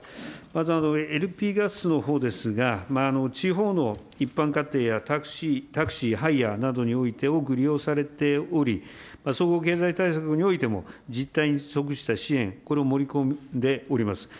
まずＬＰガスのほうですが、地方の一般家庭やタクシー、ハイヤーなどにおいて多く利用されており、総合経済対策においても実態に即した支援、これを盛り込んでおります。